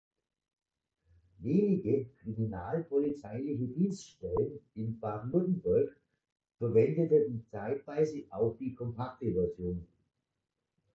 Wenige kriminalpolizeiliche Dienststellen in Baden-Württemberg verwendeten zeitweise auch die kompakte Version.